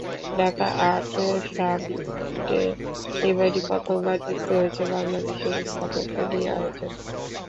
Dhaka art সামিটে এবারই প্রথমবার যুক্ত হয়েছে বাংলাদেশের স্থাপত্য নিয়ে আয়োজন।